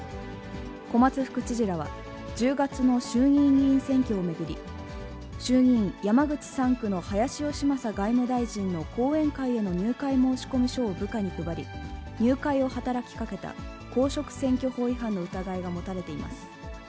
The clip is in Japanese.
小松副知事らは、１０月の衆議院議員選挙を巡り、衆議院山口３区の林芳正外務大臣の後援会への入会申込書を部下に配り、入会を働きかけた公職選挙法違反の疑いが持たれています。